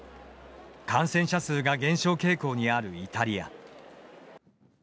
感染者数が減少傾向にあるイタリア。